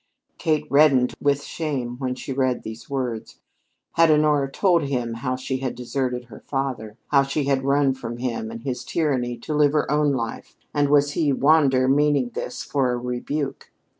Kate reddened with shame when she read these words. Had Honora told him how she had deserted her father how she had run from him and his tyranny to live her own life, and was he, Wander, meaning this for a rebuke?